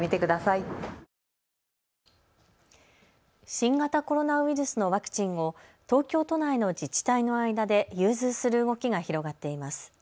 新型コロナウイルスのワクチンを東京都内の自治体の間で融通する動きが広がっています。